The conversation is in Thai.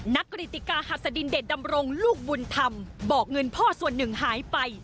กริติกาหัสดินเดชดำรงลูกบุญธรรมบอกเงินพ่อส่วนหนึ่งหายไป